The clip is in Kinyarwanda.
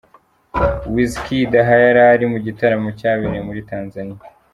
Wizkid aha yarari mu gitaramo cyabereye muri Tanzania.